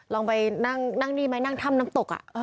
ลองไปนั่งนี่ไหมนั่งถ้ำน้ำตก